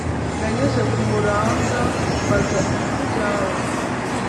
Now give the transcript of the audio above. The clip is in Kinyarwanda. Nanyuze ku muranga ,mbaza ibyawe